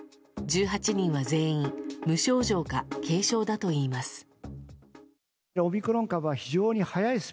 １８人は全員無症状か軽症だといいます。